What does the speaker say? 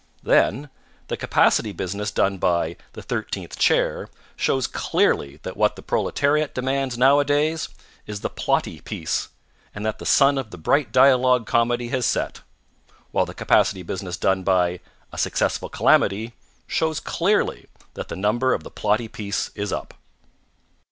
Then, the capacity business done by The Thirteenth Chair shows clearly that what the proletariat demands nowadays, is the plotty piece and that the sun of the bright dialogue comedy has set; while the capacity business done by A Successful Calamity shows clearly that the number of the plotty piece is up.